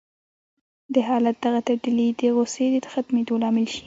د حالت دغه تبديلي د غوسې د ختمېدو لامل شي.